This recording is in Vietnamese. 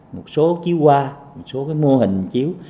một số chiếu quà một số cái mô hình chiếu